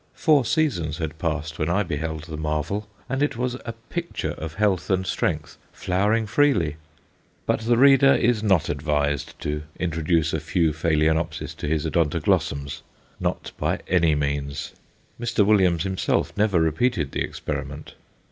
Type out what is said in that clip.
Four seasons had passed when I beheld the marvel, and it was a picture of health and strength, flowering freely; but the reader is not advised to introduce a few Phaloenopsis to his Odontoglossums not by any means. Mr. Williams himself never repeated the experiment.